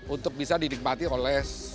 untuk bisa dinikmati oleh